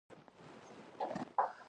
منځګړتوب هم مذاکراتو ته ورته دی.